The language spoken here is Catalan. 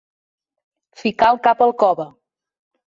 Ficar el cap al cove.